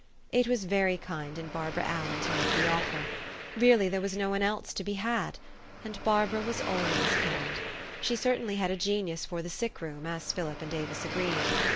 It was very kind in Barbara Allen to make the offer. Really, there was no one else to be had. And Barbara was alwa} T s kind : she certainly had a genius for the sick room, as Philip and Avis agreed.